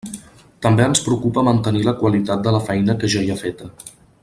També ens preocupa mantenir la qualitat de la feina que ja hi ha feta.